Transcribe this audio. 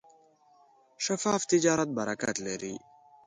شفاف تجارت برکت لري.